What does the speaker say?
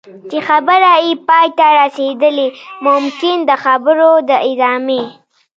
چې خبرې یې پای ته رسېدلي ممکن د خبرو د ادامې.